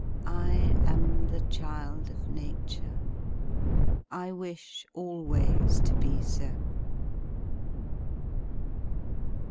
I am. ] the child of Nature, T wish always to be so.